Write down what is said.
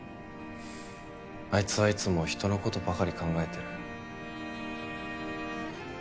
あいつはいつも人のことばかり考えてる。